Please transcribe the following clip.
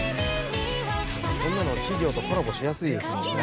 「こんなの企業とコラボしやすいですもんね」